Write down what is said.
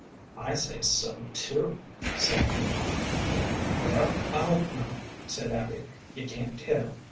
"I say so, too," said Maria. "Well, I hope not," said Abby. "You can't tell.